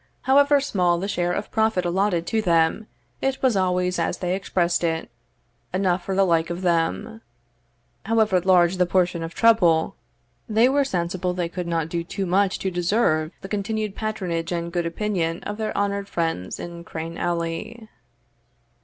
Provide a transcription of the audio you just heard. However small the share of profit allotted to them, it was always, as they expressed it, "enough for the like of them;" however large the portion of trouble, "they were sensible they could not do too much to deserve the continued patronage and good opinion of their honoured friends in Crane Alley."